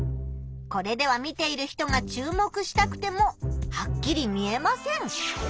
これでは見ている人が注目したくてもはっきり見えません。